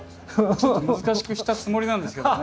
ちょっと難しくしたつもりなんですけどね。